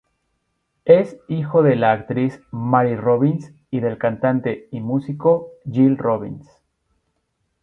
Es hijo de la actriz Mary Robbins y del cantante y músico Gil Robbins.